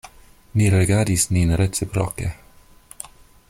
Ni rigardis nin reciproke.